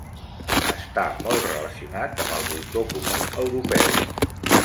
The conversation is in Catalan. Està molt relacionat amb el voltor comú europeu.